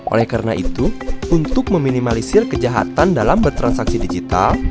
oleh karena itu untuk meminimalisir kejahatan dalam bertransaksi digital